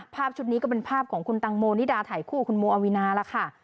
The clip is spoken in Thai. ภาพชุดนี้ก็เป็นภาพของคุณตังโมนิดาถ่ายคู่คุณโมอวินาทร์แล้วค่ะ